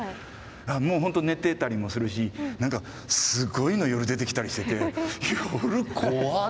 もう本当寝てたりもするし何かすごいの夜出てきたりしてて夜怖っ！